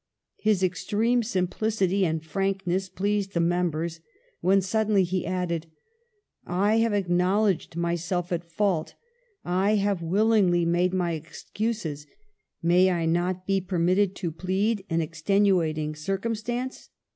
''His extreme simplicity and frankness pleased the members, when suddenly he added :" T have acknowledged myself at fault ; I have willingly made my excuses; may I not be permitted to plead an extenuating circum stance?